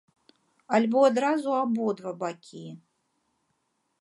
Альбо адразу абодва бакі.